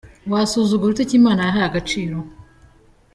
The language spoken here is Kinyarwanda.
Wasuzugura ute icyo Imana yahaye agaciro?.